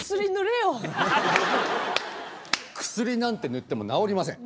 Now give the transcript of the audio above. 薬なんて塗っても治りません。